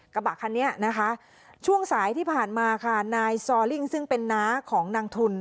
กระบะคันนี้นะคะช่วงสายที่ผ่านมาค่ะนายซอลิ่งซึ่งเป็นน้าของนางทุน